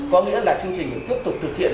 có nghĩa là chương trình tiếp tục thực hiện